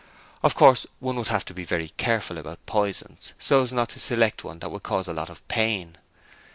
Of course, one would have to be very careful about poisons, so as not to select one that would cause a lot of pain.